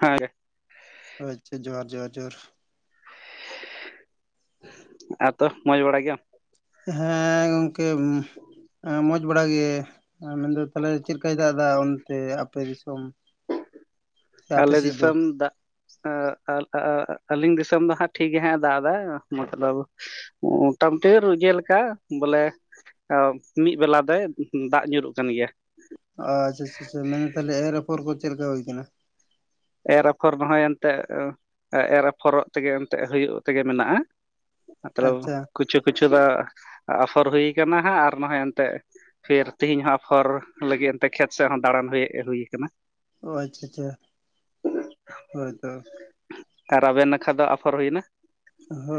ᱦᱮᱸ [unintelligible] ᱟᱪᱪᱷᱟ, ᱡᱚᱦᱟᱨ ᱡᱚᱦᱟᱨ ᱡᱚᱦᱟᱨ ᱾ [unintelligible] ᱟᱨ ᱛᱚ ᱢᱚᱡᱽ ᱵᱟᱲᱟ ᱜᱮᱭᱟᱢ ᱾ ᱦᱮᱸ ᱜᱚᱢᱠᱮ ᱾ ᱢᱚᱸᱡᱽ ᱵᱟᱲᱟ ᱜᱮ, ᱢᱮᱱᱫᱚ ᱛᱟᱦᱞᱮ ᱪᱮᱫ ᱞᱮᱠᱟᱭ ᱫᱟᱜ ᱮᱫᱟ ᱚᱱᱛᱮ ᱟᱯᱮ ᱫᱤᱥᱚᱢ? [inaudible] ᱟᱯᱮ ᱟᱞᱮ ᱥᱮᱫ ᱫᱚ ᱫᱤᱥᱚᱢ ᱫᱟᱜᱼᱼ [unintelligible] ᱟᱹᱞᱤᱧ ᱫᱤᱥᱚᱢ ᱫᱚ ᱦᱟᱸᱜ ᱴᱷᱤᱠ ᱜᱮ ᱦᱟᱸᱜ ᱮ ᱫᱟᱜ ᱮᱫᱟ ᱢᱚᱛᱞᱚᱵᱽᱼᱼ ᱢᱚᱴᱟᱢᱚᱴᱤ ᱨᱩᱡᱟ. ᱞᱮᱠᱟ, ᱵᱚᱞᱮᱼᱼ ᱟᱨ ᱢᱤᱫ ᱵᱮᱞᱟ ᱫᱚ ᱫᱟᱜ ᱧᱩᱨᱩᱜ ᱠᱟᱱ ᱜᱮᱭᱟ ᱾ ᱟᱪᱪᱷᱟ ᱟᱪᱪᱷᱟ ᱢᱮᱱᱫᱟ ᱛᱟᱦᱚᱞᱮ ᱮᱨ ᱮᱯᱷᱚᱨ ᱠᱚ ᱪᱮᱫ ᱞᱮᱠᱟ ᱦᱩᱭ ᱟᱠᱟᱱᱟ? ᱮᱨ ᱟᱯᱷᱚᱨ ᱱᱚᱜᱼᱚᱭ ᱮᱱᱛᱮᱜ ᱮᱨ ᱟᱯᱷᱚᱨᱚᱜ ᱛᱮᱜᱮ ᱮᱱᱛᱮᱫ ᱦᱩᱭᱩᱜ ᱛᱮᱜᱮ ᱢᱮᱱᱟᱜᱼᱟ ᱾ ᱢᱚᱛᱞᱚᱵᱽ ᱟᱪᱪᱷᱟ ᱠᱤᱪᱷᱩ ᱠᱤᱪᱷᱩ ᱫᱚ ᱟᱯᱷᱚᱨ ᱦᱩᱭᱟᱠᱟᱱᱟ ᱦᱟᱸᱜ ᱟᱨ ᱱᱚᱜᱼᱚᱭ ᱱᱤᱛᱚᱜᱼᱼ ᱯᱷᱤᱨ ᱛᱮᱤᱦᱤᱧ ᱦᱚᱸ ᱟᱯᱷᱚᱨ ᱞᱟᱹᱜᱤᱫ ᱠᱷᱮᱛ ᱥᱮᱫ ᱦᱚᱸ ᱫᱟᱬᱟᱱ ᱦᱮᱡ ᱦᱩᱭ ᱠᱟᱱᱟ ᱾ ᱚ ᱟᱪᱪᱷᱟ ᱟᱪᱪᱷᱟ, ᱦᱳᱭ ᱦᱳᱭ [unintelligible] ᱟᱨ ᱟᱵᱮᱱ ᱱᱟᱠᱷᱟ ᱫᱚ ᱟᱯᱷᱚᱨ ᱦᱩᱭᱱᱟ? ᱦᱚ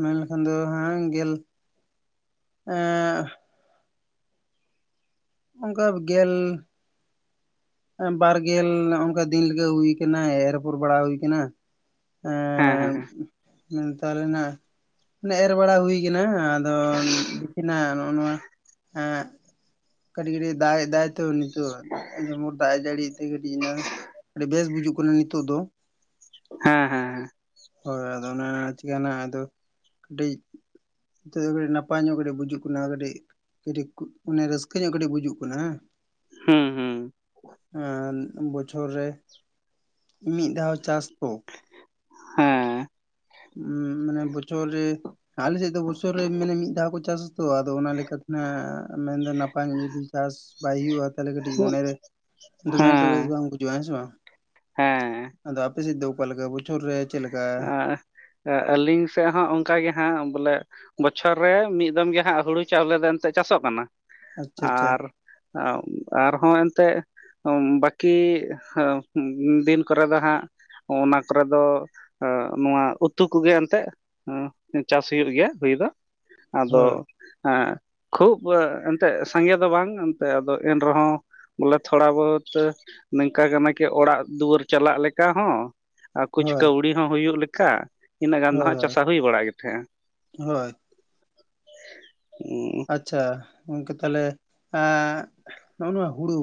ᱢᱮᱱᱞᱠᱷᱟᱱ ᱫᱚ ᱦᱟᱝ [unintelligible] ᱜᱮᱞ ᱮ, ᱮᱸᱜᱼᱼ ᱚᱱᱠᱟ ᱜᱮᱞᱼᱼ ᱵᱟᱨᱜᱮᱞ ᱚᱱᱠᱟ ᱫᱤᱱ ᱞᱮᱠᱟ ᱦᱩᱭ ᱠᱟᱱᱟ ᱮᱨ ᱟᱯᱷᱚᱨ ᱵᱟᱲᱟ ᱦᱩᱭ ᱠᱟᱱᱟ ᱦᱮᱸ ᱦᱮᱸ ᱾ ᱮᱸ ᱛᱟᱦᱞᱮ [unintelligible] ᱱᱟᱜᱼᱼ ᱮᱨ ᱵᱟᱲᱟ ᱦᱩᱭ ᱠᱟᱱᱟ ᱟᱫᱚ ᱫᱤᱠᱤᱱᱟ [unintelligible] ᱱᱚᱜᱼᱚ ᱱᱚᱣᱟ ᱮᱜ [unintelligible] ᱠᱟᱹᱴᱤᱡ ᱠᱟᱹᱴᱤᱡ ᱫᱟᱜ ᱮᱫᱟᱭ ᱫᱚ ᱱᱤᱛ [unintelligible] [unintelligible] ᱛᱚ ᱡᱷᱚᱢᱚᱨ ᱫᱟᱜ ᱮ ᱡᱟᱹᱲᱤ ᱛᱮ ᱠᱟᱴᱤᱡ ᱮᱱᱟ [unintelligible] ᱟᱹᱰᱤ ᱵᱮᱥ ᱵᱩᱡᱷᱟᱹᱜ ᱠᱟᱱᱟ ᱱᱤᱛᱚᱜ ᱫᱚ ᱾ ᱦᱮᱸ ᱦᱮᱸ [unintelligible] ᱦᱳᱭ ᱟᱫᱚ ᱚᱱᱟ ᱪᱤᱠᱟᱭᱹᱱᱟ ᱟᱫᱚ ᱠᱟᱹᱴᱤᱡ [unintelligible] ᱱᱤᱛᱚᱜ [unintelligible] ᱫᱚ ᱠᱟᱹᱴᱤᱡ [unintelligible] ᱱᱟᱯᱟᱭ ᱧᱚᱜ ᱠᱟᱹᱴᱤᱡ ᱵᱩᱡᱩᱜ ᱠᱟᱱᱟ ᱠᱟᱹᱴᱤᱡ ᱠᱟᱹᱴᱤᱡ [unintelligible] ᱮᱸ ᱨᱟᱹᱥᱠᱟᱹ ᱧᱚᱜ ᱠᱟᱹᱴᱤᱡ ᱵᱩᱡᱩᱜ ᱠᱟᱱᱟ ᱦᱮᱸ ᱾ ᱦᱮᱸ ᱦᱮᱸ᱾ ᱟᱨ ᱵᱚᱪᱷᱚᱨ ᱨᱮ, ᱢᱤᱫ ᱫᱷᱟᱣ ᱪᱟᱥ ᱛᱚ ᱾ ᱦᱮᱸ ᱦᱮᱸ ᱦᱮᱸ ᱢᱟᱱᱮ ᱵᱚᱪᱷᱚᱨ ᱨᱮᱼᱼ ᱟᱞᱮᱥᱮᱫ ᱫᱚ ᱵᱚᱪᱷᱚᱨ ᱨᱮ ᱢᱟᱱᱮ ᱢᱤᱫ ᱫᱷᱟᱣ ᱠᱚ ᱪᱟᱥᱟ ᱛᱚ ᱟᱫᱚ ᱚᱱᱟ ᱞᱮᱠᱟᱛᱮ, ᱢᱮᱱᱫᱚ ᱱᱟᱯᱟᱭ ᱧᱚᱜ ᱡᱩᱫᱤ ᱪᱟᱥᱼᱼ ᱵᱟᱭ ᱦᱩᱭᱩᱜᱼᱟ ᱛᱟᱦᱚᱞᱮ ᱠᱟᱹᱴᱤᱡ ᱢᱚᱱᱮᱨᱮ, ᱫᱚᱢᱮ ᱮᱠᱴᱩ ᱦᱮᱸ ᱵᱮᱥ ᱵᱟᱝ ᱵᱩᱡᱷᱟᱹᱜᱼᱟ ᱦᱮᱸ ᱥᱮ ᱵᱟᱝ ᱾ ᱦᱮᱸ ᱟᱫᱚ ᱟᱯᱮ ᱥᱮᱫ ᱫᱚ ᱟᱠᱟ ᱞᱮᱠᱟ ᱵᱚᱪᱷᱚᱨ ᱨᱮ ᱪᱮᱫ ᱞᱮᱠᱟᱼᱼ ᱟᱸ ᱟᱹᱞᱤᱧ ᱥᱮᱫ ᱦᱚᱸ ᱚᱱᱠᱟ ᱜᱮ ᱦᱟᱸᱜ ᱵᱚᱞᱮᱼᱼ ᱵᱚᱪᱷᱚᱨ ᱨᱮ ᱢᱤᱫ ᱫᱚᱢ ᱜᱮ ᱦᱟᱸᱜ ᱦᱩᱲᱩ ᱪᱟᱣᱞᱮ ᱫᱚ ᱮᱱᱛᱮᱫ ᱪᱟᱥᱚᱜ ᱠᱟᱱᱟ, ᱟᱪᱪᱷᱟ ᱟᱪᱪᱷᱟ ᱟᱨᱼᱼ ᱟᱨ ᱟᱨᱦᱚᱸ ᱮᱱᱛᱮᱜᱼᱼ ᱚᱸᱢ ᱵᱟᱹᱠᱤ ᱦᱚ ᱩᱸᱢ ᱫᱤᱱ ᱠᱚᱨᱮ ᱫᱚ ᱦᱟᱸᱜᱼᱼ ᱚᱱᱟ ᱠᱚᱨᱮ ᱫᱚ, ᱚ ᱱᱚᱣᱟ ᱩᱛᱼᱼ ᱩᱛᱩ ᱠᱚᱜᱮ ᱮᱱᱛᱮᱫ, ᱪᱟᱥ ᱦᱩᱭᱩᱜ ᱜᱮᱭᱟ ᱦᱩᱭ ᱫᱚ, ᱟᱫᱚᱼᱼ ᱦᱳᱭ ᱦᱮᱸ ᱠᱷᱩᱵᱽ ᱮᱱᱛᱮᱫ ᱥᱚᱸᱜᱮ ᱫᱚ ᱵᱟᱝ ᱮᱱᱛᱮᱫ ᱟᱫᱚ ᱮᱱᱨᱮᱦᱚᱸᱼᱼ ᱵᱚᱞᱮ ᱛᱷᱚᱲᱟ ᱵᱚᱦᱩᱛ ᱱᱚᱝᱠᱟ ᱜᱮ ᱱᱟᱠᱮ ᱚᱲᱟᱜ ᱫᱩᱣᱟᱹᱨ ᱪᱟᱞᱟᱜ ᱞᱮᱠᱟ ᱦᱚᱸ ᱾ ᱟᱨ ᱠᱩᱪ ᱦᱳᱭ ᱠᱟᱹᱣᱲᱤ ᱦᱚᱸ ᱦᱩᱭᱩᱜ ᱞᱮᱠᱟ ᱾ ᱤᱱᱟᱹᱜ ᱜᱟᱱ ᱫᱚ ᱦᱟᱸᱜ ᱦᱳᱭ ᱪᱟᱥᱟ ᱦᱩᱭ ᱵᱟᱲᱟᱜ ᱜᱮ ᱛᱟᱦᱮᱸᱜᱼᱟ ᱾ ᱦᱳᱭ [unintelligible] ᱟᱪᱪᱷᱟ ᱜᱚᱝᱠᱮ, ᱛᱟᱦᱚᱞᱮ ᱮᱸᱼᱼ ᱱᱚᱜᱼᱚ ᱱᱚᱣᱟ ᱦᱩᱲᱩ,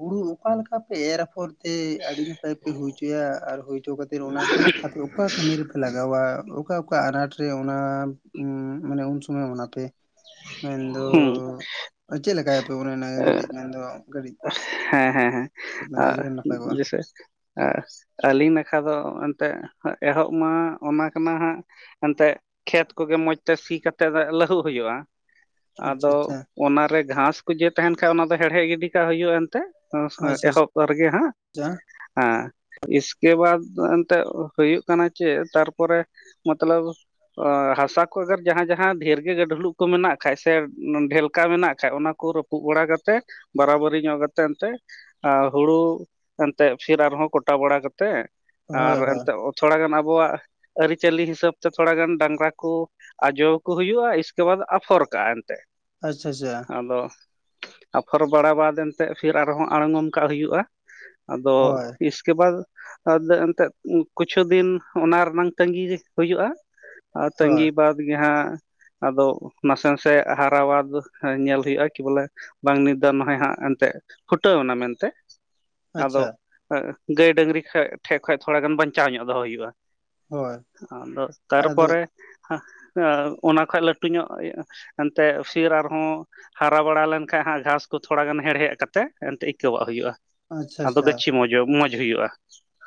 ᱦᱩᱲᱩ ᱚᱠᱟ ᱞᱮᱠᱟ ᱯᱮ ᱮᱨ ᱟᱯᱷᱚᱨᱼᱼ ᱮᱸ ᱟᱹᱰᱤ ᱱᱟᱯᱟᱭ ᱯᱮ ᱦᱩᱭ ᱦᱚᱪᱚᱭᱟ, ᱟᱨ ᱦᱩᱭ ᱦᱚᱪᱚ ᱠᱟᱛᱮ ᱚᱱᱟᱼᱼ ᱟᱫᱚ ᱚᱠᱟ ᱠᱟᱹᱢᱤ ᱨᱮᱯᱮ ᱞᱟᱜᱟᱣᱟ? ᱚᱠᱟ ᱚᱠᱟ ᱟᱱᱟᱴ ᱨᱮ ᱚᱱᱟ ᱢᱟᱱᱮ ᱩᱱ ᱥᱚᱢᱚᱭ ᱚᱱᱟ ᱯᱮᱼᱼ ᱢᱮᱱᱫᱚ, ᱦᱩᱸ ᱪᱮᱫ ᱞᱮᱠᱟᱭᱟᱯᱮ ᱚᱱᱮ ᱟᱱᱟ ᱜᱮ ᱠᱟᱹᱴᱤᱡ ᱢᱮᱱᱫᱚ ᱠᱟᱹᱴᱤᱡᱼᱼ ᱦᱮᱸ ᱦᱮᱸ ᱦᱮᱸ ᱟᱨ ᱱᱟᱯᱟᱭ ᱠᱚᱜᱼᱟ ᱡᱮᱭᱥᱮᱼᱼ ᱟᱹᱞᱤᱧ ᱱᱟᱠᱷᱟ ᱫᱚ ᱮᱱᱛᱮᱫ ᱮᱦᱚᱵ ᱢᱟ ᱚᱱᱟ ᱠᱟᱱᱟ ᱦᱟᱸᱜ ᱮᱱᱛᱮᱜ ᱠᱷᱮᱛ ᱠᱚᱜᱮ ᱢᱚᱸᱡᱽ ᱛᱮ ᱥᱤ ᱠᱟᱛᱮᱜ ᱞᱟᱹᱦᱩᱫ ᱦᱩᱭᱩᱜᱼᱟ᱾ ᱟᱪᱪᱷᱟ ᱟᱫᱚ ᱟᱪᱪᱷᱟ ᱚᱱᱟᱨᱮ ᱜᱷᱟᱥ ᱠᱚ ᱡᱮ ᱛᱟᱦᱮᱱ ᱠᱷᱟᱡ ᱚᱱᱟ ᱫᱚ ᱦᱮᱲᱦᱮᱫ ᱜᱤᱰᱤ ᱠᱟᱜ ᱦᱩᱭᱩᱜᱼᱟ ᱮᱱᱛᱮ᱾ ᱩᱱ ᱥᱚᱢᱚᱭ ᱟᱪᱪᱷᱟ ᱮᱦᱚᱵ ᱨᱮᱜᱮ ᱦᱟᱸᱜ ᱟᱪᱪᱷᱟ ᱦᱮᱸ ᱤᱥᱠᱮᱵᱟᱫᱽ ᱮᱱᱛᱮ ᱦᱩᱭᱩᱜ ᱠᱟᱱᱟ ᱪᱮᱫ ᱛᱟᱨᱯᱚᱨᱮ ᱢᱚᱛᱞᱚᱵ ᱦᱟᱥᱟ ᱠᱚ ᱟᱜᱟᱨ ᱡᱟᱦᱟᱸ ᱡᱟᱦᱟᱸ ᱰᱷᱮᱨ ᱜᱮ ᱜᱟᱹᱰᱷᱞᱩᱜ ᱠᱚ ᱢᱮᱱᱟᱜ ᱠᱷᱟᱱᱡ ᱥᱮ ᱰᱷᱮᱞᱠᱟ ᱢᱮᱱᱟᱜ ᱠᱷᱟᱡ ᱚᱱᱟ ᱠᱚ ᱨᱟᱹᱯ- ᱯᱩᱜ ᱵᱟᱲᱟ ᱠᱟᱛᱮ ᱵᱟᱨᱟᱵᱟᱹᱨᱤ ᱧᱚᱜ ᱠᱟᱛᱮ ᱮᱱᱛᱮ ᱦᱩᱲᱩ ᱮᱱᱛᱮ [inaudible] ᱨᱮᱦᱚᱸ ᱠᱚᱴᱟ ᱵᱟᱲᱟ ᱠᱟᱛᱮᱫ ᱟᱨ ᱦᱳᱭ ᱦᱳᱭ ᱮᱱᱛᱮ ᱛᱷᱚᱲᱟ ᱜᱟᱱ ᱟᱵᱚᱣᱟᱜ ᱟᱹᱨᱤᱪᱟᱹᱞᱤ ᱦᱤᱥᱟᱹᱵ ᱛᱮ ᱛᱷᱚᱲᱟ ᱜᱟᱱ ᱰᱟᱝᱨᱟ ᱠᱳ ᱟᱡᱣᱟᱠᱚ ᱦᱩᱭᱩᱜ-ᱟ ᱤᱥᱠᱮ ᱵᱟᱫᱽ ᱟᱯᱷᱚᱨ ᱠᱟᱜ-ᱟ ᱮᱱᱛᱮ ᱟᱪᱪᱷᱟ ᱟᱪᱪᱷᱟ ᱟᱫᱚ ᱟᱯᱷᱚᱨ ᱵᱟᱲᱟ ᱵᱟᱫ ᱮᱱ ᱛᱮᱜ ᱯᱷᱤᱨ ᱟᱨᱦᱚᱸ ᱟᱸᱲᱜᱚᱢ ᱠᱟᱜ ᱦᱩᱭᱩᱜ-ᱟ ᱟᱫᱚ, ᱦᱳᱭ ᱤᱥ ᱠᱮ ᱵᱟᱫ ᱮᱱᱛᱮ ᱠᱩᱪᱷᱩ ᱫᱤᱱ ᱚᱱᱟ ᱨᱮᱱᱟᱝ ᱛᱟᱹᱜᱤ ᱦᱩᱭᱩᱜ-ᱟ ᱦᱳᱭ ᱛᱟᱝᱜᱤ ᱵᱟᱫᱽ ᱜᱮ ᱦᱟᱸᱜ ᱟᱫᱚ ᱱᱟᱥᱮ ᱱᱟᱥᱮ ᱦᱟᱨᱟᱣᱟ ᱧᱮᱞ ᱦᱩᱭᱩᱜ-ᱟ ᱠᱤ ᱵᱚᱞᱮ ᱵᱟᱝ ᱱᱤᱛ ᱫᱚ ᱱᱚᱦᱚᱭ ᱦᱟᱸᱜ ᱮᱱᱛᱮ ᱯᱷᱩᱴᱟᱹᱣᱱᱟ ᱢᱮᱱᱛᱮ, ᱟᱫᱚ ᱟᱪᱪᱷᱟ ᱜᱟᱹᱭ ᱰᱟᱹᱝᱨᱤ ᱴᱷᱮᱡ ᱠᱷᱚᱡ ᱛᱷᱚᱲᱟ ᱜᱟᱱ ᱵᱟᱧᱪᱟᱣ ᱧᱚᱜ ᱫᱚᱦᱚ ᱦᱩᱭᱩᱜ-ᱟ᱾ ᱦᱳᱭ ᱟᱫᱚ ᱟᱫᱚ ᱛᱟᱨᱯᱚᱨᱮ ᱚᱱᱟ ᱠᱷᱚᱡ ᱞᱟᱹᱴᱩ ᱧᱚᱜ ᱮᱱᱛᱮ ᱩᱥᱭᱟᱹᱨ ᱟᱨᱦᱚᱸ ᱦᱟᱨᱟ ᱵᱟᱲᱟ ᱞᱮᱱ ᱠᱷᱟᱡ ᱦᱟᱸᱜ ᱜᱷᱟᱥ ᱠᱚ ᱛᱷᱚᱲᱟ ᱜᱟᱱ ᱦᱮᱲᱦᱮᱫ ᱠᱟᱛᱮ ᱮᱱᱛᱮ ᱟᱹᱭᱠᱟᱹᱣᱟᱜ ᱦᱩᱭᱩᱟ ᱟᱪᱪᱷᱟ ᱟᱫᱚ ᱜᱟᱹᱪᱷᱤ ᱢᱚᱡᱽ ᱦᱩᱭᱩᱜ-ᱟ᱾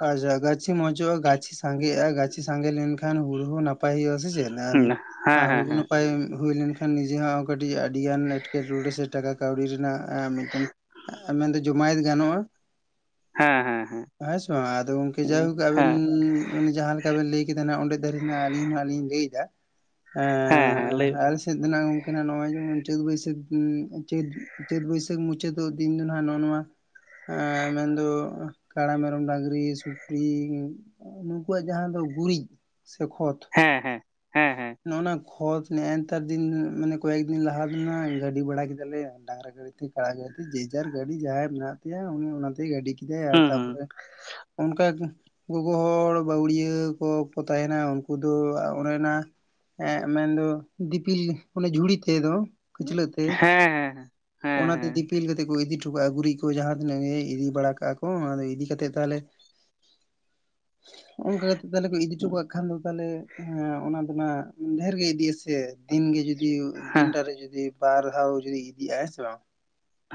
ᱟᱪᱷᱟ ᱜᱟᱪᱷᱤ ᱢᱚᱸᱡᱚᱟ ᱜᱟᱪᱷᱤ ᱥᱟᱸᱜᱮᱜ-ᱟ ᱜᱟᱪᱷᱤ ᱥᱟᱸᱜᱮ ᱞᱮᱱᱠᱷᱟᱱ ᱦᱩᱲᱩ ᱦᱚᱸ ᱱᱟᱯᱟᱭ ᱦᱩᱭᱩᱟ ᱥᱮ ᱪᱮᱫ᱾ ᱦᱮᱸ ᱟᱨ ᱦᱮᱸ ᱦᱩᱲᱩ ᱱᱟᱯᱟᱭ ᱦᱩᱭ ᱞᱮᱱᱠᱷᱟᱱ ᱱᱤᱡᱮᱨᱟ ᱦᱚᱸ ᱠᱟᱹᱴᱤᱡ ᱟᱹᱰᱤ ᱜᱟᱱ ᱮᱴᱠᱮ ᱴᱚᱲᱮ ᱥᱮ ᱴᱟᱠᱟ ᱠᱟᱣᱰᱤ ᱨᱮᱱᱟᱜ ᱢᱤᱴᱮᱱ ᱢᱮᱱ ᱫᱚ ᱡᱚᱢᱟᱭᱮᱛ ᱜᱟᱱᱚᱜ-ᱟ᱾ ᱦᱮᱸ ᱦᱮᱸ ᱦᱮᱸ ᱟᱫᱚ ᱜᱚᱝᱠᱮ ᱡᱟᱭᱦᱳᱠ ᱦᱮᱸ ᱦᱮᱸ ᱟᱵᱮᱱ ᱦᱮᱸ ᱡᱟᱦᱟᱸ ᱞᱮᱠᱟ ᱵᱮᱱ ᱞᱟᱹᱭ ᱠᱮᱫᱟ ᱱᱟᱜ ᱚᱸᱰᱮ ᱫᱷᱟᱹᱨᱤᱡ ᱱᱟᱜ ᱟᱹᱞᱤᱧ ᱦᱟᱸᱜ ᱞᱤᱧ ᱞᱟᱹᱭᱫᱟ, ᱦᱮᱸ ᱦᱮᱸ ᱞᱟᱹᱭ ᱮᱸ ᱟᱞᱮ ᱥᱮᱫ ᱫᱚ ᱱᱟᱜ ᱜᱝᱢ ᱠᱮ ᱱᱟ ᱱᱚᱜ-ᱚᱭ ᱪᱟᱹᱛ ᱵᱟᱹᱭᱥᱟᱹᱠᱷ ᱪᱟᱹᱛ ᱪᱟᱹᱛ ᱵᱟᱹᱭᱥᱟᱹᱠᱷ ᱢᱩᱪᱟᱹᱫᱜ ᱫᱤᱱ ᱫᱚ ᱱᱟᱜ ᱱᱚᱜ ᱱᱚᱣᱟ ᱮ ᱢᱮᱱᱫ ᱠᱟᱲᱟ ᱢᱮ- ᱢᱮᱨᱚᱢ ᱰᱟᱝᱨᱤ ᱥᱩᱠᱨᱤ ᱱᱩᱠᱩᱣᱟᱜ ᱡᱟᱦᱟᱸ ᱫᱚ ᱜᱩᱨᱤᱡ ᱥᱮ ᱠᱷᱚᱛ ᱦᱮᱸ ᱦᱮᱸ-ᱦᱮᱸ ᱦᱮᱸ ᱱᱚᱜ ᱱᱟ ᱠᱷᱚᱛ ᱱᱮ ᱮᱛᱟᱨ ᱫᱤᱱ ᱢᱟᱱᱮ ᱠᱚᱭᱮᱠ ᱫᱤᱱ ᱞᱟᱦᱟ ᱫᱚ ᱱᱟ ᱜᱟᱹᱰᱤ ᱵᱟᱲᱟ ᱠᱮᱫᱟᱞᱮ ᱰᱟᱝᱨᱟ ᱜᱟᱹᱲᱤ ᱛᱮ᱾ [unintelligible] ᱡᱮᱡᱟᱨ ᱜᱟᱹᱰᱤ ᱡᱟᱦᱟᱭᱟᱜ ᱢᱮᱱᱟᱜ ᱛᱟᱭᱟ ᱩᱱᱤ ᱚᱱᱟᱛᱮᱭ ᱜᱟᱹᱰᱤ ᱠᱮᱫᱟᱭ ᱟᱨ ᱦᱩᱸ ᱦᱩᱸ ᱛᱟᱯᱚᱨᱮ ᱚᱱᱠᱟ ᱜᱚᱜᱚ ᱦᱚᱲ ᱵᱟᱹᱣᱲᱤᱭᱟᱹ ᱠᱚᱠᱚ ᱛᱟᱦᱮᱱᱟ ᱩᱱᱠᱩ ᱫᱚ ᱚᱱᱮᱱᱟ ᱮᱜᱸ ᱢᱮᱱᱫᱚ ᱫᱤᱯᱤᱞ ᱚᱱᱮ ᱡᱷᱩᱲᱤ ᱛᱮᱫᱚ ᱠᱷᱟᱹᱪᱞᱟᱹᱜ ᱦᱮᱸ ᱛᱮ ᱦᱮᱸ ᱦᱮᱸ ᱚᱱᱟᱛᱮ ᱫᱤᱯᱤᱞ ᱠᱟᱛᱮ ᱠᱚ ᱤᱫᱤ ᱦᱚᱴᱚ ᱠᱟᱜ-ᱟ ᱜᱩᱨᱤᱡ ᱠᱚ ᱡᱟᱦᱟᱸ ᱛᱤᱱᱟᱹᱜ ᱜᱮ ᱤᱫᱤ ᱵᱟᱲᱟ ᱠᱟᱜ-ᱟ ᱠᱚ ᱚᱱᱟ ᱤᱫᱤ ᱠᱟᱛᱮᱫ ᱛᱟᱦᱞᱮ ᱚᱝᱠᱟ ᱠᱟᱛᱮ ᱛᱟᱞᱦᱮ ᱠᱚ ᱤᱫᱤ ᱴᱚ ᱦᱮᱸ ᱠᱟᱜ ᱠᱷᱟᱱ ᱫᱚ ᱛᱟᱦᱞᱮ ᱦᱮᱸ ᱚᱱᱟ ᱰᱷᱮᱨ ᱜᱮ ᱤᱫᱤᱜ ᱟᱥᱮ ᱫᱤᱱ ᱜᱮ ᱡᱩᱫ ᱦᱮᱸ ᱫᱤᱱᱴᱟᱨ ᱨᱮ ᱡᱩᱫᱤ ᱵᱟᱨ ᱫᱷᱟᱣ ᱡᱩᱫᱤ ᱤᱫᱤᱜ-ᱟ ᱦᱮᱸ ᱥᱮ ᱵᱟᱝ,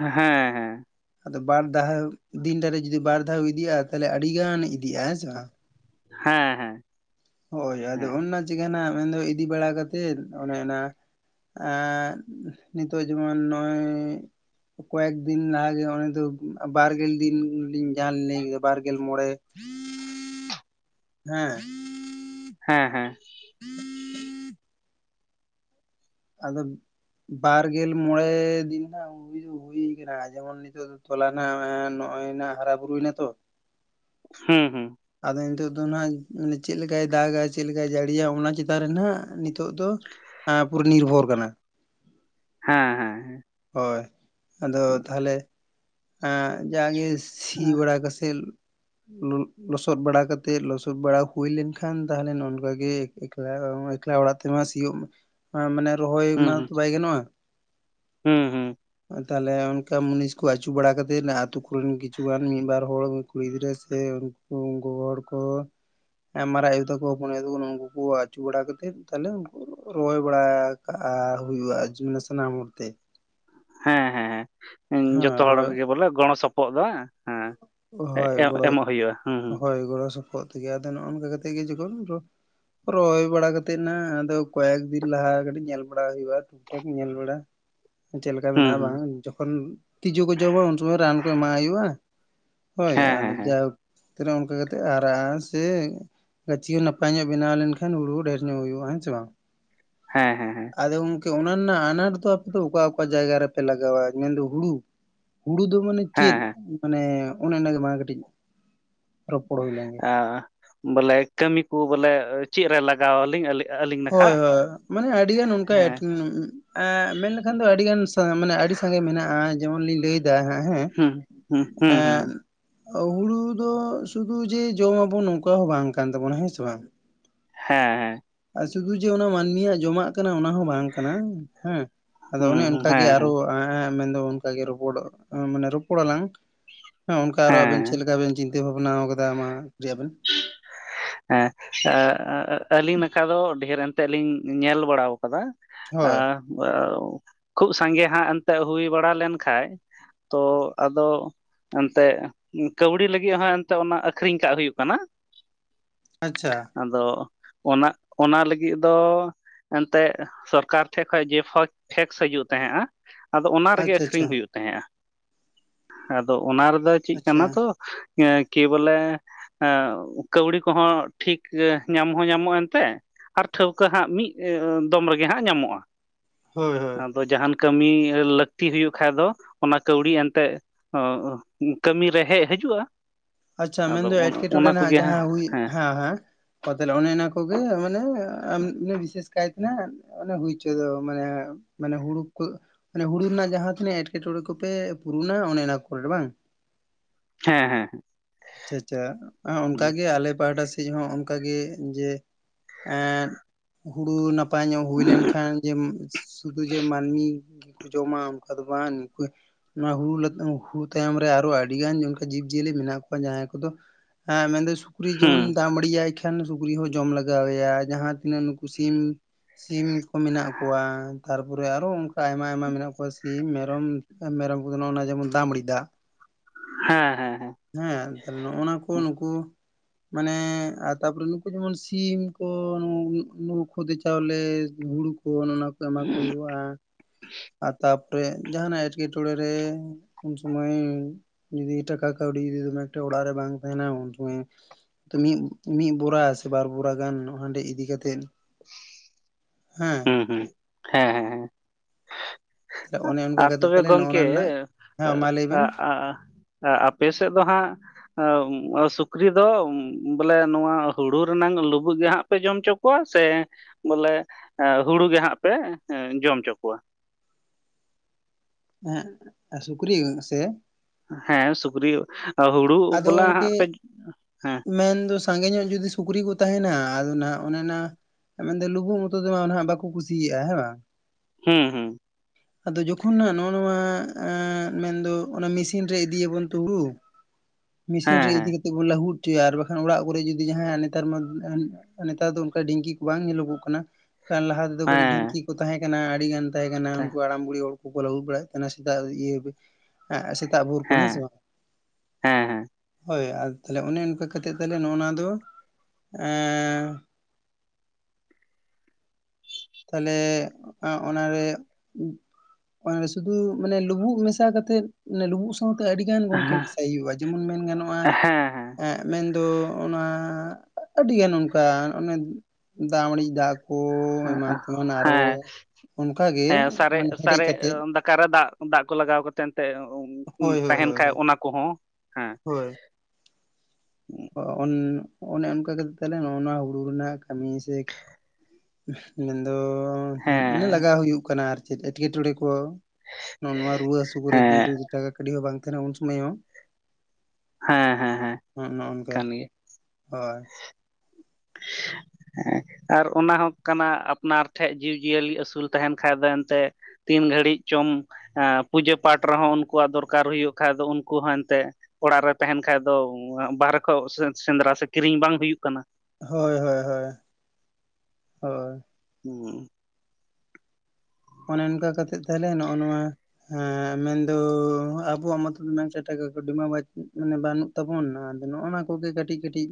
ᱦᱮᱸ ᱦᱮᱸ ᱟᱫᱚ ᱵᱟᱨ ᱫᱷᱟᱣ ᱫᱤᱱᱴᱟᱨᱮ ᱡᱩᱫᱤ ᱵᱟᱨ ᱫᱷᱟᱣ ᱤᱫᱤᱜ-ᱟ ᱛᱟᱭᱞᱮ ᱟᱹᱰᱤ ᱜᱟᱱ ᱤᱫᱤᱜ-ᱟ ᱦᱮᱸᱥᱮ ᱵᱟᱝ᱾ ᱦᱮᱸ ᱦᱮᱸ ᱦᱳᱭ ᱟᱫᱚ ᱚᱱᱟ ᱪᱤᱠᱟ ᱱᱟᱜ ᱢᱮᱱᱫᱚ ᱤᱫᱤ ᱵᱟᱲᱟ ᱠᱛᱮᱫ ᱚᱱᱮ ᱚᱱᱟ ᱮᱸ ᱱᱤᱛᱚᱜ ᱡᱮᱢᱚᱱ ᱱᱚᱜ-ᱚᱭ ᱠᱚᱭᱮᱠ ᱫᱤᱱ ᱞᱟᱦᱟᱜᱮ ᱚᱭ ᱛᱚ ᱵᱟᱨᱜᱮᱞ ᱫᱤᱱ ᱞᱤᱧ [unintelligible] ᱵᱟᱨᱜᱮᱞ ᱢᱚᱬᱮ ᱦᱮᱸ ᱦᱮᱸ ᱦᱮᱸ [unintelligible] ᱟᱫᱚ ᱵᱟᱨ ᱜᱮᱞ ᱢᱚᱬᱮ ᱫᱤᱱ ᱦᱩᱭ ᱫᱚ ᱦᱩᱭ ᱠᱟᱱᱟ, ᱡᱮᱢᱚᱱ ᱱᱤᱛᱚᱜ ᱫᱚ ᱛᱚᱞᱟ ᱱᱟᱜ ᱱᱚᱜᱚᱭ ᱱᱟ ᱦᱟᱨᱟ ᱵᱩᱨᱩ ᱭᱮᱱᱟ ᱛᱚ᱾ ᱦᱩᱸ ᱦᱩᱸ ᱟᱫᱚ ᱱᱤᱛᱚᱜ ᱫᱚ ᱦᱟᱜ ᱪᱮᱫ ᱞᱮᱠᱟᱭ ᱫᱟᱜ ᱟᱭ? ᱪᱮᱫ ᱞᱮᱠᱟᱭ ᱡᱟᱹᱲᱤᱭᱟ? ᱚᱱᱟ ᱪᱮᱛᱟᱱ ᱨᱮ ᱱᱟᱜ ᱱᱤᱛ ᱱᱤᱛᱚᱜ ᱫᱚ ᱯᱩᱨᱟᱹ ᱱᱤᱨᱵᱷᱚᱨ ᱠᱟᱱᱟ᱾ ᱦᱮᱸ ᱦᱮᱸ ᱦᱮᱸ ᱦᱳᱭ ᱟᱫᱚ ᱛᱟᱦᱚᱞᱮ ᱟᱸ ᱡᱟᱜᱮ ᱥᱤ ᱵᱟᱲᱟ ᱠᱟᱥᱮᱞ ᱞᱚᱥᱚᱫ ᱵᱟᱲᱟ ᱠᱟᱛᱮᱜ, ᱞᱚᱥᱚᱫ ᱵᱟᱲᱟ ᱦᱩᱭ ᱞᱮᱱᱠᱷᱟᱱ ᱛᱟᱦᱚᱞᱮ ᱱᱚᱝᱠᱟᱜ ᱜᱮ ᱮ ᱮᱠᱞᱟ ᱚᱲᱟᱜ ᱛᱮᱢᱟ, ᱥᱤᱭᱩᱜ ᱢᱟᱱᱮ ᱨᱚᱦᱚᱭ ᱦᱩᱸ ᱢᱟ ᱦᱩᱸ ᱛᱚ ᱵᱟᱭ ᱜᱟᱱᱚᱜᱼᱟ᱾ ᱦᱩᱸ ᱦᱩᱸ ᱛᱟᱦᱚᱞᱮ ᱚᱱᱠᱟ ᱢᱩᱱᱤᱥ ᱠᱚ ᱟᱡ ᱟᱹᱪᱩ ᱵᱟᱲᱟ ᱠᱟᱛᱮᱫ, ᱟᱹᱛᱩ ᱠᱚᱨᱮᱱ ᱠᱤᱪᱷᱩ ᱜᱟᱱ ᱢᱤᱫ ᱵᱟᱨ ᱦᱚᱲ ᱠᱩᱲᱤ ᱜᱤᱫᱽᱨᱟᱹ ᱥᱮ ᱜᱚᱜᱚ ᱦᱚᱲ ᱠᱚ᱾ ᱢᱟᱨᱟ ᱟᱭᱳ ᱛᱟᱠᱚ, ᱦᱚᱯᱚᱱ ᱟᱭᱳ ᱛᱟᱠᱚ, ᱩᱱᱩᱠᱩ ᱠᱚ ᱟᱪᱩᱸ ᱵᱟᱲᱟ ᱠᱟᱛᱮᱫ ᱛᱟᱦᱞᱮ ᱩᱱᱠᱩ ᱨᱚᱦᱚᱭ ᱵᱟᱲᱟ ᱦᱩᱭᱩᱜᱼᱟ, ᱱᱟᱥᱮ ᱵᱟᱲᱟ ᱢᱚᱫᱮ᱾ ᱦᱮᱸ ᱦᱮᱸ ᱡᱚᱛᱚ ᱦᱚᱲ ᱜᱮ ᱵᱚᱞᱮ ᱜᱚᱲᱚ ᱥᱚᱯᱚᱦᱚᱫ ᱫᱚ ᱵᱟᱝ? ᱦᱳᱭ ᱦᱮᱸ ᱜᱚᱲᱚ ᱮᱢᱚᱜ ᱦᱩᱭᱩᱜᱼᱟ᱾ ᱦᱩᱸ ᱦᱩᱸ ᱦᱳᱭ ᱜᱚᱲᱚ ᱥᱚᱯᱚᱦᱚᱫ ᱛᱮᱜᱮ ᱟᱫᱚ ᱱᱚᱜᱼᱚᱭ ᱱᱚᱝᱠᱟ ᱠᱟ ᱠᱟᱛᱮᱜ ᱜᱮ ᱡᱚᱠᱷᱚᱱ ᱨᱚᱦᱚᱭ ᱵᱟᱲᱟ ᱠᱟᱛᱮ ᱱᱟ, ᱟᱫᱚ ᱠᱚᱭᱮᱠ ᱫᱤᱱ ᱞᱟᱦᱟ ᱠᱟᱹᱴᱤᱡ ᱧᱮᱞ ᱵᱟᱲᱟ ᱦᱩᱭᱩᱜᱼᱟ᱾ ᱴᱟᱠ ᱧᱮᱞ ᱵᱮᱲᱟ᱾ ᱪᱮᱫ ᱞᱮᱠᱟ ᱦᱩᱸ ᱢᱮᱱᱟᱜᱼᱟ? ᱵᱟᱝ ᱦᱩᱸ ᱡᱚᱠᱷᱚᱱ ᱛᱤᱡᱩ ᱠᱚ ᱡᱚᱢᱟ ᱩᱱ ᱥᱚᱢᱚᱭ ᱨᱟᱱ ᱠᱚ ᱮᱢᱟᱜ ᱦᱩᱭᱩᱜᱼᱟ᱾ ᱦᱳᱭ ᱦᱮᱸ ᱟᱫᱚ ᱦᱮᱸ ᱦᱮᱸ ᱡᱟᱣ, ᱚᱱᱠᱟ ᱠᱟᱛᱮᱜ ᱦᱟᱨᱟᱜᱼᱟ ᱥᱮ ᱜᱟᱹᱪᱷᱤ ᱦᱚᱸ ᱱᱟᱯᱟᱭ ᱧᱚᱜ ᱵᱮᱱᱟᱣ ᱞᱮᱱᱠᱷᱟᱱ ᱦᱩᱲᱩ ᱰᱷᱮᱨ ᱧᱚᱜ ᱦᱩᱭᱩᱜᱼᱟ, ᱦᱮᱸ ᱥᱮ ᱵᱟᱝ? ᱦᱮᱸ ᱦᱮᱸ ᱦᱮᱸ ᱟᱫᱚ ᱜᱚᱢᱠᱮ, ᱚᱱᱟ ᱨᱮᱱᱟᱜ ᱟᱱᱟᱴ ᱫᱚ ᱟᱯᱮ ᱫᱚ ᱚᱠᱟ ᱚᱠᱟ ᱡᱟᱭᱜᱟ ᱨᱮᱯᱮ ᱞᱟᱜᱟᱣᱟ᱾ ᱢᱮᱱᱫᱚ ᱦᱩᱲᱩ? ᱦᱩᱲᱩ ᱫᱚ ᱢᱟᱱᱮ ᱪᱮᱫ? ᱦᱮᱸ ᱢᱟᱱᱮ ᱚᱱᱮ ᱚᱱᱟ ᱜᱮ ᱢᱟ ᱠᱟᱹᱴᱤᱡ ᱨᱚᱯᱚᱲ ᱦᱩᱭ ᱞᱮᱱ ᱜᱮ᱾ ᱵᱚᱞᱮ ᱠᱟᱹᱢᱤ ᱠᱚ ᱵᱚᱞᱮ ᱪᱮᱫ ᱨᱮ ᱞᱟᱜᱟᱣ ᱟᱹᱞᱤᱧ ᱟᱹᱞᱤᱧ ᱱᱟᱠᱷᱟ ᱦᱳᱭ ᱦᱳᱭ ᱢᱟᱱᱮ ᱟᱹᱰᱤ ᱜᱟᱱ ᱚᱱᱠᱟ ᱦᱮᱸ ᱢᱮᱱ ᱞᱮᱠᱷᱟᱱ ᱫᱚ ᱟᱹᱰᱤ ᱜᱟᱱ ᱥᱟ ᱢᱟᱱᱮ ᱟᱹᱰᱤ ᱥᱟᱸᱜᱮ ᱢᱮᱱᱟᱜᱼᱟ, ᱡᱮᱢᱚᱱ ᱞᱤᱧ ᱞᱟᱹᱭ ᱮᱫᱟ ᱮᱫᱟ ᱦᱟᱜ, ᱦᱩᱸ ᱦᱩᱸ ᱦᱩᱸ ᱦᱩᱸ ᱦᱮᱸ ᱦᱩᱲᱩ ᱫᱚ ᱥᱩᱫᱷᱩ ᱡᱮ ᱡᱚᱢ ᱟᱵᱚᱱ ᱱᱚᱝᱠᱟ ᱦᱚᱸ ᱵᱟᱝ ᱠᱟᱱ ᱛᱟᱵᱚᱱᱟ ᱦᱮᱸ ᱥᱮ ᱵᱟᱝ? ᱦᱮᱸ ᱦᱮᱸ ᱟᱨ ᱥᱩᱫᱷᱩ ᱡᱮ ᱚᱱᱟ ᱢᱟᱹᱱᱢᱤ ᱭᱟᱜ ᱡᱚᱢᱟᱜ ᱠᱟᱱᱟ, ᱚᱱᱟ ᱦᱚᱸ ᱵᱟᱝ ᱠᱟᱱᱟ ᱦᱮᱸ, ᱟᱫᱚ ᱦᱩᱸ ᱚᱱᱮ ᱦᱩᱸ ᱚᱱᱠᱟ ᱜᱮ ᱦᱮᱸ ᱟᱨᱚ ᱦᱮᱸ ᱢᱮᱱ ᱫᱚ ᱚᱱᱠᱟ ᱜᱮ ᱨᱚᱯᱚᱲ ᱢᱟᱱᱮ ᱨᱚᱯᱚᱲ ᱟᱞᱟᱝ ᱦᱮᱸ ᱚᱱᱠᱟ ᱟᱨᱚ ᱟᱵᱮᱱ ᱪᱮᱫ ᱦᱮᱸ ᱞᱮᱠᱟ ᱵᱮᱱ ᱪᱤᱱᱛᱟᱹ ᱵᱷᱟᱵᱱᱟ ᱟᱠᱟᱫᱟ ᱢᱟ ᱟᱵᱤᱱ ᱦᱮᱸ ᱟᱹᱞᱤᱧ ᱱᱟᱠᱷᱟ ᱫᱚ ᱰᱷᱮᱨ ᱮᱱᱛᱮ ᱞᱤᱧ ᱧᱮᱞ ᱵᱟᱲᱟ ᱟᱠᱟᱫᱟ᱾ ᱦᱳᱭ ᱠᱷᱩᱵᱽ ᱥᱟᱸᱜᱮ ᱦᱟᱸᱜ ᱮᱱᱛᱮ ᱦᱩᱭ ᱵᱟᱲᱟ ᱞᱮᱱ ᱠᱷᱟᱡ ᱛᱚ ᱟᱫᱚ ᱮᱱᱛᱮ ᱠᱟᱹᱣᱰᱤ ᱞᱟᱹᱜᱤᱫ ᱦᱚᱸ, ᱮᱱᱛᱮ ᱚᱱᱟ ᱟᱹᱠᱷᱨᱤᱧ ᱠᱟᱜ ᱦᱩᱭᱩᱜ ᱠᱟᱱᱟ᱾ ᱟᱪᱪᱷᱟ ᱟᱫᱚ ᱚᱱᱟ ᱚᱱᱟ ᱞᱟᱹᱜᱤᱫ ᱫᱚ ᱮᱱᱛᱮ ᱥᱚᱨᱠᱟᱨ ᱴᱷᱮᱡ ᱠᱷᱚᱱ ᱡᱮ ᱯᱷᱮᱠᱥ ᱦᱤᱡᱩᱜ ᱛᱟᱦᱮᱸᱫᱼᱟ᱾ ᱟᱫᱚ ᱚᱱᱟ ᱨᱮᱜᱮ ᱟᱪᱪᱷᱟ ᱟᱹᱠᱷᱨᱤᱧ ᱟᱪᱪᱷᱟ ᱦᱩᱭᱩᱜ ᱛᱟᱦᱮᱸᱫᱼᱟ, ᱟᱫᱚ ᱚᱱᱟ ᱨᱮᱫᱚ ᱪᱮᱫ ᱟᱪᱪᱷᱟ ᱠᱟᱱᱟ ᱛᱚ, ᱠᱤ ᱵᱚᱞᱮ ᱠᱟᱹᱣᱰᱤ ᱠᱚᱦᱚᱸ ᱴᱷᱤᱠ ᱧᱟᱢ ᱦᱚᱸ ᱧᱟᱢᱚᱜᱼᱟ, ᱮᱱᱛᱮ᱾ ᱟᱨ ᱴᱷᱟᱹᱣᱠᱟᱹ ᱦᱟᱸᱜ, ᱢᱤᱫ ᱫᱚᱢ ᱨᱮᱜᱮ ᱦᱟᱸᱜ ᱧᱟᱢᱚᱜᱼᱟ᱾ ᱦᱳᱭ ᱦᱳᱭ ᱟᱫᱚ ᱡᱟᱦᱟᱱ ᱠᱟᱹᱢᱤ ᱞᱟᱹᱠᱛᱤ ᱦᱩᱭᱩᱜ ᱠᱷᱟᱡ ᱫᱚ ᱚᱱᱟ ᱠᱟᱹᱣᱰᱤ ᱮᱱᱛᱮ ᱚ ᱠᱟᱹᱢᱤ ᱨᱮ ᱦᱮᱡ ᱦᱤᱡᱩᱜᱼᱟ᱾ ᱟᱪᱪᱷᱟ ᱟᱫᱚ ᱢᱮᱱᱫᱚ ᱮᱴᱠᱮᱴᱚᱬᱮ ᱚᱱᱟ ᱱᱟᱜ ᱠᱚᱜᱮ ᱦᱮᱸ ᱡᱟᱦᱟᱸ ᱦᱩᱭ ᱦᱮᱸ ᱦᱮᱸ ᱟᱨ ᱛᱟᱦᱞᱮ ᱚᱱᱮ ᱚᱱᱟ ᱠᱚᱜᱮ ᱢᱟᱱᱮ ᱵᱤᱥᱮᱥ ᱠᱟᱭᱛᱮ ᱚᱱᱮ ᱦᱩᱭᱪᱚ ᱢᱟᱱᱮ ᱢᱟᱱᱮ ᱦᱩᱲᱩ ᱠᱚ ᱢᱟᱱᱮ ᱦᱩᱲᱩ ᱨᱮᱱᱟᱜ ᱡᱟᱦᱟᱸ ᱛᱤᱱᱟᱹᱜ ᱮᱴᱠᱮᱴᱚᱬᱮ ᱠᱚᱯᱮ ᱯᱩᱨᱩᱱᱟ ᱚᱱᱮ ᱚᱱᱟ ᱠᱚᱨᱮ ᱵᱟᱝ? ᱦᱮᱸ ᱦᱮᱸ ᱟᱪᱪᱷᱟ ᱟᱪᱪᱷᱟ ᱮᱸ ᱚᱱᱠᱟ ᱜᱮ ᱟᱞᱮ ᱯᱟᱦᱟᱴᱟ ᱥᱮᱫ ᱤᱧ ᱦᱚᱸ ᱚᱱᱠᱟᱜᱮ ᱡᱮ ᱮᱸᱫ ᱦᱩᱲᱩ ᱱᱟᱯ ᱱᱟᱯᱟᱭ ᱧᱚᱜ ᱦᱩᱭ ᱞᱮᱱ ᱠᱷᱟᱱ ᱡᱮ ᱥᱩᱫᱷᱩ ᱡᱮ ᱢᱟᱹᱱᱢᱤ ᱡᱢᱟᱢ ᱚᱱᱠᱟᱫᱚ ᱵᱟᱝ [unintelligible] ᱚᱱᱟ ᱦᱩᱲᱩ ᱦᱩ ᱛᱟᱭᱚᱢ ᱨᱮ ᱟᱨᱚ ᱟᱹᱰᱤ ᱜᱟᱱ ᱚᱱᱠᱟ ᱡᱤᱵᱽ ᱡᱤᱭᱟᱹᱞᱤ ᱢᱮᱱᱟᱜ ᱠᱚᱣᱟ᱾ ᱡᱟᱦᱟᱸᱭ ᱠᱚᱫᱚ ᱦᱮᱸ ᱢᱮᱱᱫᱟᱹᱧ ᱥᱩᱠᱨᱤ ᱡᱮᱢᱚᱱ ᱫᱟᱜ ᱢᱟᱹᱲᱤᱭᱟᱭ ᱢᱮᱱᱠᱷᱟᱱ ᱥᱩᱠᱨᱤ ᱦᱚᱸ ᱡᱚᱢ ᱞᱟᱜᱟᱣᱮᱭᱟ ᱡᱟᱦᱟᱸ ᱛᱤᱱᱟᱹᱜ ᱱᱩᱠᱩ ᱥᱤᱢ ᱥᱤᱢ ᱠᱚ ᱢᱮᱱᱟᱜ ᱠᱚᱣᱟ ᱛᱟᱨᱯᱚᱨᱮ ᱟᱨᱚ ᱚᱝ ᱟᱭᱢᱟ ᱟᱭᱢᱟ ᱢᱮᱱᱟᱜ ᱠᱚᱣᱟ ᱥᱤᱢ ᱢᱮᱨᱚᱢ ᱢᱮᱨᱚᱢ ᱠᱚᱫᱚ ᱱᱚᱜ-ᱱᱚᱣᱟ ᱡᱮᱢᱚᱱ ᱫᱟᱜ ᱢᱟᱲᱤ ᱫᱟᱜ ᱦᱮᱸ ᱦᱮᱸ ᱦᱮᱸ᱾ ᱦᱮᱸ ᱛᱟᱦᱞᱮ ᱱᱚᱜ-ᱱᱟ ᱠᱚ ᱱᱩᱠᱩ ᱢᱟᱱᱮ ᱟᱨ ᱛᱟᱯᱚᱨᱮ ᱱᱩᱠᱩ ᱡᱮᱢᱚᱱ ᱥᱤᱢ ᱠᱚ ᱱᱩᱠᱩ ᱠᱷᱚᱫᱮ ᱪᱟᱣᱞᱮ ᱦᱩᱲᱩ ᱠᱚ ᱚᱱᱮ ᱚᱱᱟ ᱠᱚ ᱮᱢᱟ ᱠᱚ ᱦᱩᱭᱩᱜ-ᱟ᱾ [inaudible] ᱟᱨ ᱛᱟᱯᱚᱨᱮ ᱡᱟᱦᱟᱱᱟᱜ ᱮᱴᱠᱮᱴᱚᱬᱮ ᱨᱮ ᱩᱱ ᱥᱚᱢᱚᱭ ᱡᱩᱫᱤ ᱴᱟᱠᱟ ᱠᱟᱹᱣᱰᱤ ᱡᱫᱤ ᱫᱚᱢᱮ ᱮᱠᱚᱴᱟ ᱚᱲᱟᱜ ᱨᱮ ᱵᱟᱝ ᱛᱟᱦᱮᱱᱟ ᱩᱱᱥᱚᱢᱚᱭ ᱛᱚ ᱢᱤᱫ ᱢᱤᱫ ᱵᱚᱨᱟ ᱥᱮ ᱵᱟᱨ ᱵᱚᱨᱟ ᱜᱟᱱ ᱦᱟᱸᱰᱮ ᱤᱫᱤ ᱠᱟᱛᱮᱫ ᱦᱮᱸ ᱦᱩᱸ ᱦᱩᱸ, ᱦᱮᱸ ᱦᱮᱸ ᱦᱮᱸ᱾ ᱛᱟᱦᱞᱮ ᱚᱱᱮ ᱚᱱᱠᱟ ᱟᱨ ᱠᱟᱛᱮᱜ ᱛᱚᱵᱮ ᱛᱟᱦᱞᱮ ᱱᱚᱜᱼᱚ ᱜᱚᱝᱠᱮ ᱱᱟ ᱨᱮᱱᱟᱜ ᱦᱮᱸ ᱢᱟ ᱞᱟᱹᱭ ᱵᱮᱱ [unintelligible] ᱟᱯᱮ ᱥᱮᱫ ᱫᱚ ᱦᱟᱸᱜ ᱥᱩᱠᱨᱤ ᱫᱚ ᱵᱚᱞᱮ ᱱᱚᱣᱟ ᱦᱩᱲᱩ ᱨᱮᱱᱟᱝ ᱞᱩᱵᱩᱜ ᱜᱮ ᱦᱟᱸᱜ ᱯᱮ ᱡᱚᱢ ᱦᱚᱪᱚ ᱠᱚ ᱠᱚᱣᱟ ᱥᱮ ᱵᱚᱞᱮ ᱮᱸ ᱦᱩᱲᱩ ᱜᱮ ᱦᱟᱸᱜ ᱯᱮ ᱡᱚᱢ ᱦᱚᱪᱚ ᱠᱚᱣᱟ? ᱮᱸᱜ ᱥᱩᱠᱨᱤ ᱜᱮ ᱥᱮ? ᱦᱮᱸ ᱥᱩᱠᱨᱤ ᱦᱩᱲᱩ ᱵᱟᱞᱟ ᱦᱟᱸᱜ ᱯᱮ, ᱦᱮᱸ ᱢᱮᱱ ᱫᱳᱥ ᱥᱟᱸᱜᱮ ᱧᱚᱜ ᱡᱩᱫᱤ ᱥᱩᱠᱨᱤ ᱠᱚ ᱛᱟᱦᱮᱱᱟ ᱟᱫᱚ ᱱᱟᱜ ᱚᱱᱮ ᱱᱟ ᱢᱮᱱᱫᱚ ᱞᱩᱵᱩᱜ ᱢᱚᱛᱚ ᱫᱚ ᱦᱟᱸᱜ ᱱᱟᱜ ᱵᱟᱠᱚ ᱠᱩᱥᱤᱭᱟᱜ-ᱟ ᱦᱮᱸ᱾ ᱦᱩᱸ ᱦᱩᱸ᱾ [inaudible] ᱟᱫᱚ ᱡᱚᱠᱷᱚᱱ ᱱᱟᱜ ᱱᱚᱜ-ᱚ ᱱᱚᱣᱟ ᱢᱮᱱᱫᱚ ᱚᱱᱟ ᱢᱮᱥᱤᱱ ᱨᱮ ᱤᱫᱤᱭᱟᱵᱚᱱ ᱛᱚ ᱦᱩᱲᱩ᱾ ᱢᱤᱥᱤᱱ ᱦᱮᱸ ᱨᱮ ᱤᱫᱤ ᱦᱮᱸ ᱠᱟᱛᱮᱫ ᱵᱚᱱ ᱞᱟᱦᱩᱫ ᱪᱚᱭᱟ ᱟᱨ ᱵᱟᱠᱷᱟᱱ ᱚᱲᱟᱜ ᱠᱚᱨᱮ ᱡᱩᱫᱤ ᱡᱟᱦᱟᱸᱭᱟᱜ ᱱᱮᱛᱟᱨ ᱢᱟ ᱱᱮᱛᱟᱨ ᱫᱚ ᱚᱝᱠᱟ ᱰᱷᱤᱝᱠᱤ ᱠᱚ ᱵᱟᱝ ᱧᱮᱞᱚᱜᱚᱜ ᱠᱟᱱᱟ᱾ ᱛᱟᱨ ᱞᱟᱦᱟ ᱛᱮᱫᱚ ᱠᱟᱹᱴᱤᱡ ᱦᱮᱸ ᱰᱷᱤᱝᱠᱤ ᱠᱚ ᱛᱟᱦᱮᱸ ᱠᱟᱱᱟ ᱟᱹᱰᱤᱜᱟᱱ ᱛᱟᱦᱮᱸ ᱠᱟᱱᱟ ᱩᱝᱠᱩ ᱛᱮ- ᱦᱟᱲᱟᱢ ᱵᱩᱲᱦᱤ ᱦᱚᱲ ᱠᱚ ᱠᱚ ᱞᱟᱹᱦᱩᱫ ᱵᱟᱲᱟᱭᱮᱫ ᱛᱟᱦᱮᱱᱟ ᱥᱮᱛᱟᱜ ᱤᱭᱟᱹ ᱥᱮᱛᱟᱜ ᱵᱷᱳᱨ ᱠᱷᱚᱱ ᱦᱮᱸ ᱥᱮ ᱵᱟᱝ ᱦᱮᱸ ᱦᱮᱸ ᱦᱳᱭ ᱟᱨ ᱛᱟᱦᱞᱮ ᱚᱱᱮ ᱚᱱᱠᱟ ᱠᱟᱛᱮᱫ ᱛᱟᱦᱞᱮ ᱱᱚᱜ-ᱱᱟ ᱫᱚ ᱮᱸᱻ ᱛᱟᱦᱞᱮ ᱮᱸᱜ ᱚᱱᱟᱨᱮ ᱮᱸ ᱥᱩᱫᱩ ᱢᱟᱱᱮ ᱞᱩᱵᱩᱜ ᱢᱮᱥᱟ ᱠᱟᱛᱮᱫ ᱞᱩᱵᱩᱜ ᱥᱟᱶᱛᱮ ᱟᱹᱰᱤ ᱜᱟᱱ ᱜᱚᱝᱠᱮ ᱢᱮᱥᱟᱭ ᱦᱩᱭᱩᱜ-ᱟ ᱡᱮᱢᱚᱱ ᱢᱮᱱ ᱜᱟᱱᱚᱜ-ᱟ ᱦᱮᱸ ᱦᱮᱸ ᱮᱸᱜ ᱢᱮᱱᱫᱚ ᱚᱱᱟ ᱟᱹᱰᱤᱜᱟᱱ ᱚᱱᱠᱟ ᱚᱱᱮ ᱫᱟᱜ ᱢᱟᱹᱲᱤ ᱫᱟᱜ ᱠᱚ ᱮᱢᱟᱱ ᱛᱮᱢᱟᱱ ᱟᱨᱚ ᱦᱮᱸ ᱚᱱᱠᱟᱜᱮ ᱦᱮᱸ ᱥᱟᱨᱮᱪ ᱢᱟᱱᱮ ᱦᱮᱰᱮᱡ ᱥᱟᱨᱮᱪ ᱠᱟᱛᱮᱜ ᱫᱟ ᱠᱟᱨᱮ ᱫᱟᱜ ᱫᱟᱜ ᱠᱚ ᱞᱟᱜᱟᱣ ᱠᱟᱛᱮᱫ ᱥᱮ ᱦᱳᱭ ᱦᱳᱭ ᱛᱟᱦᱮᱱ ᱦᱳᱭ ᱠᱷᱟᱡ ᱚᱱᱟ ᱠᱚᱦᱚᱸ ᱦᱮᱸ ᱦᱳᱭ ᱚᱱᱮ ᱚᱱᱠᱟ ᱠᱟᱛᱮ ᱛᱟᱦᱚᱞᱮ ᱱᱚᱝᱠᱟ ᱱᱚᱣᱟ ᱦᱩᱲᱩ ᱨᱮᱱᱟᱜ ᱠᱟᱹᱢᱤ ᱥᱮ ᱢᱮᱱ ᱫᱚ ᱢᱟᱱᱮ ᱦᱮᱸ ᱞᱟᱜᱟᱣ ᱦᱩᱭᱩᱜ ᱠᱟᱱᱟ ᱟᱨ ᱪᱮᱫ ᱮᱴᱠᱮᱴᱚᱬᱮ ᱠᱚ᱾ ᱱᱚᱣᱟ ᱨᱩᱣᱟᱹ ᱦᱟᱹᱥᱩ ᱠᱚᱨᱮ ᱦᱮᱸ ᱴᱟᱠᱟ ᱠᱟᱹᱰᱤ ᱦᱚᱸ ᱵᱟᱝ ᱛᱟᱦᱮᱱᱟ, ᱩᱱ ᱥᱚᱢᱚᱭ ᱦᱚᱸ ᱦᱮᱸ ᱦᱮᱸ ᱦᱮᱸ᱾ ᱦᱚᱸᱜ ᱱᱚᱜ ᱱᱚᱝᱠᱟ ᱠᱟᱱ ᱜᱮᱭᱟ ᱦᱳᱭ! [inaudible] ᱟᱨ ᱚᱱᱟ ᱦᱚᱸ ᱠᱟᱱᱟ, ᱟᱯᱱᱟᱨ ᱴᱷᱮᱡ ᱡᱤᱵᱽᱼᱡᱤᱭᱟᱹᱞᱤ ᱟᱹᱥᱩᱞ ᱛᱟᱦᱮᱱ ᱠᱷᱟᱡᱽ ᱫᱚ ᱮᱱᱛᱮ ᱛᱤᱱ ᱜᱷᱟᱹᱲᱤᱡ ᱪᱚᱢ ᱯᱩᱡᱟᱹ ᱯᱟᱴ ᱨᱮᱦᱚᱸ ᱩᱱᱠᱩᱣᱟᱜ ᱫᱚᱨᱠᱟᱨ ᱦᱩᱭᱩᱜ ᱠᱷᱟᱡᱽ ᱫᱚ ᱩᱱᱠᱩ ᱦᱚᱸ ᱮᱱᱛᱮ ᱚᱲᱟᱜ ᱨᱮ ᱛᱟᱦᱮᱱ ᱠᱷᱟᱡ ᱫᱚ ᱵᱟᱦᱨᱮ ᱠᱷᱚᱡ ᱥᱮᱸᱫᱽᱨᱟ ᱥᱮ ᱠᱤᱨᱤᱧ ᱵᱟᱝ ᱦᱩᱭᱩᱜ ᱠᱟᱱᱟ᱾ ᱦᱳᱭ ᱦᱳᱭ ᱦᱳᱭ᱾ ᱦᱳᱭ! ᱦᱩᱸ! ᱚᱱᱮ ᱚᱱᱠᱟ ᱠᱟᱛᱮᱜ ᱛᱟᱦᱚᱞᱮ ᱱᱚᱜᱼᱚᱭ ᱱᱚᱣᱟ ᱦᱮᱸ ᱢᱮᱱ ᱫᱚ ᱟᱵᱚᱣᱟᱜ ᱢᱚᱛᱚ ᱩᱱᱟᱜ ᱴᱟᱠᱟ-ᱠᱟᱹᱣᱰᱤ ᱢᱟᱱᱮ ᱵᱟᱹᱱᱩᱜ ᱛᱟᱵᱚᱱᱟ ᱟᱫᱚ ᱱᱚᱜᱼ ᱱᱚᱣᱟ ᱠᱚᱜᱮ ᱠᱟᱹᱴᱤᱡ ᱠᱟᱹᱴᱤᱡ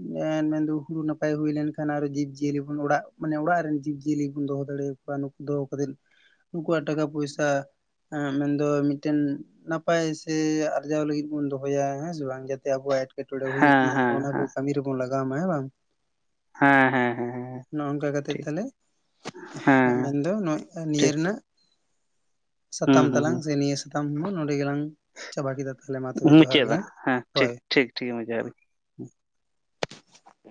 ᱢᱮᱱ ᱫᱚ ᱦᱩᱲᱩ ᱱᱟᱯᱟᱭ ᱦᱩᱭ ᱞᱮᱱᱠᱷᱟᱱ ᱟᱨᱚ ᱡᱤᱵᱽ-ᱡᱤᱭᱟᱹᱞᱤ ᱵᱚᱱ ᱚᱲᱟᱜ ᱢᱟᱱᱮ ᱚᱲᱟᱜ ᱨᱮᱱ ᱡᱤᱵᱽ-ᱡᱤᱭᱟᱹᱞᱤ ᱵᱚᱱ ᱫᱚᱦᱚ ᱫᱟᱲᱮᱭᱟ ᱠᱚᱣᱟ, ᱱᱩᱠᱩ ᱫᱚᱦᱚ ᱠᱟᱛᱮ ᱱᱩᱠᱩᱣᱟᱜ ᱴᱟᱠᱟ ᱯᱚᱭᱥᱟᱸ ᱢᱮᱱ ᱫᱚ ᱢᱤᱫᱴᱮᱱ ᱱᱟᱯᱟᱭ ᱥᱮ ᱟᱨᱡᱟᱣ ᱞᱟᱹᱜᱤᱫ ᱵᱚᱱ ᱫᱚᱦᱚᱭᱟ ᱦᱮᱸ ᱥᱮ ᱵᱟᱝ, ᱡᱟᱛᱮ ᱟᱵᱚᱣᱟᱜ ᱮᱴᱠᱮᱴᱚᱬᱮ ᱦᱩᱭᱚᱜ, ᱦᱮᱸ ᱦᱮᱸ ᱚᱱᱟ ᱠᱚ ᱦᱮᱸ ᱠᱟᱹᱢᱤ ᱨᱮᱵᱚᱱ ᱞᱟᱜᱟᱣ ᱢᱟ ᱦᱮᱸ ᱵᱟᱝ? ᱦᱮᱸ ᱦᱮᱸ ᱦᱮᱸ ᱦᱮᱸ ᱱᱚᱝᱠᱟ ᱠᱟᱛᱮ ᱴᱷᱤᱠ ᱛᱟᱞᱮ ᱦᱮᱸ ᱢᱮᱱᱫᱚ ᱱᱚᱜ ᱱᱤᱭᱟᱹ ᱴᱷᱤᱠ ᱨᱮᱱᱟᱜ ᱦᱩᱸ ᱥᱟᱛᱟᱢ ᱦᱩᱸ ᱦᱩᱸ ᱛᱟᱞᱟᱝ ᱥᱮ ᱱᱤᱭᱟᱹ ᱥᱟᱛᱟᱢ ᱦᱚᱸ ᱱᱚᱰᱮ ᱜᱮᱞᱟᱝ ᱪᱟᱵᱟ ᱠᱮᱫᱟ, ᱛᱟᱦᱚᱞᱮ ᱢᱟ ᱛᱚᱵᱮ ᱡᱚᱦᱟᱨ ᱜᱮ ᱢᱩᱪᱟᱹᱫᱟ ᱦᱮᱸ ᱴᱷᱤᱠ ᱦᱳᱭ᱾ ᱴᱷᱤᱠ ᱠᱷᱤᱠ ᱢᱟ ᱡᱚᱦᱟᱨ ᱜᱮ᱾